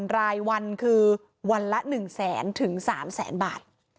รายวันคือวันละ๑แสนถึง๓แสนบาท